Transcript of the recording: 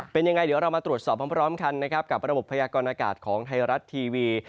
เป็นยังไงเดี๋ยวเรามาตรวจสอบพร้อมกันนะครับกับระบบพยากรณากาศของไทยรัฐทีวี